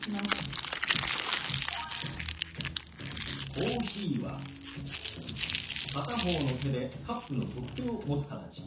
「コーヒー」は片方の手でカップの取っ手を持つ形。